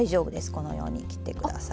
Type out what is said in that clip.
このように切って下さい。